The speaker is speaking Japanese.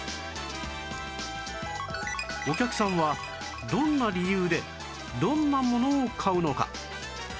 お客さんはどんな理由でどんなものを買うのか？